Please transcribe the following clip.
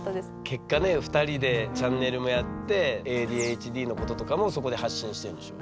結果ね２人でチャンネルもやってＡＤＨＤのこととかもそこで発信してるんでしょ？